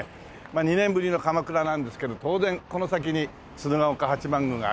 ２年ぶりの鎌倉なんですけど当然この先に鶴岡八幡宮があります。